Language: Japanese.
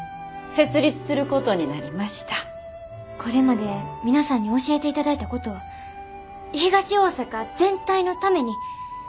これまで皆さんに教えていただいたことを東大阪全体のために生かしたいと思てます。